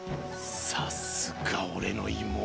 さすがおれの妹。